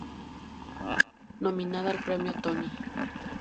Nominada al Premio Tony.